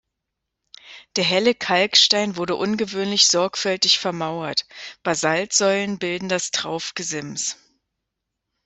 Der helle Kalkstein wurde ungewöhnlich sorgfältig vermauert, Basaltsäulen bilden das Traufgesims.